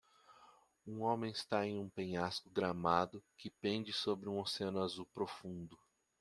um homem está em um penhasco gramado que pende sobre um oceano azul profundo.